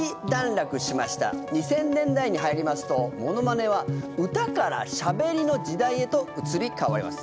２０００年代に入りますとモノマネは歌からしゃべりの時代へと移り変わります。